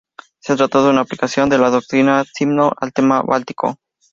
Se trató de una aplicación de la doctrina Stimson al tema báltico.